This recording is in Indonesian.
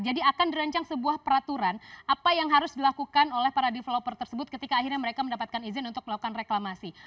jadi akan dirancang sebuah peraturan apa yang harus dilakukan oleh para developer tersebut ketika akhirnya mereka mendapatkan izin untuk melakukan reklamasi